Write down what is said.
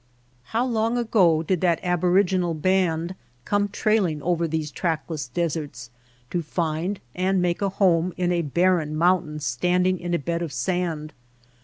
How long ago did that aboriginal band come trailing over these trackless deserts to find and make a home in a barren mountain standing in a bed of sand